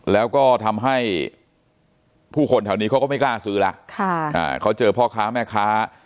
แล้วก็ทำให้ผู้คนแถวนี้เขาก็ไม่กล้าซื้อแล้วเขาเจอพ่อค้าแม่ค้า